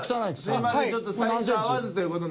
すいませんちょっとサイズが合わずという事なんで。